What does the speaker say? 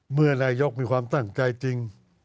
เมื่อนายกมีความตั้งใจจริง